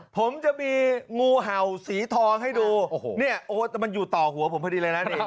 ผมจะมีงูเห่าสีทองให้ดูโอ้โหเนี่ยโอ้แต่มันอยู่ต่อหัวผมพอดีเลยนะนี่